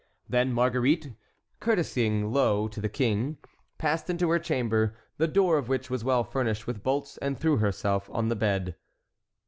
Then Marguerite, courtesing low to the king, passed into her chamber, the door of which was well furnished with bolts, and threw herself on the bed.